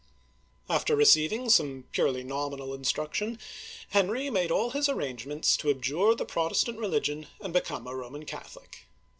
After receiving some purely nominal instruction, Henry made all his arrangements to abjure the Protestant religion and become a Roman Catholic.